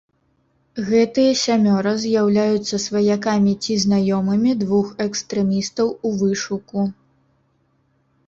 Гэтыя сямёра з'яўляюцца сваякамі ці знаёмымі двух экстрэмістаў у вышуку.